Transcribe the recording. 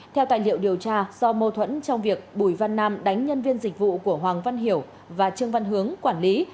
theo tài liệu điều tra do mâu thuẫn trong việc bùi văn nam đánh nhân viên dịch vụ của hoàng văn hiểu và trương văn hướng quản lý